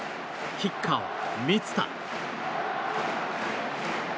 キッカーは満田。